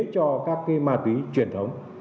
cho các cái ma túy truyền thống